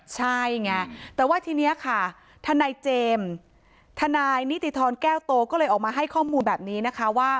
ใช่ไงแต่ว่าทีนี้ค่ะทนายเจมส์ทนายนิติธรแก้วโตก็เลยออกมาให้ข้อมูลแบบนี้นะคะว่า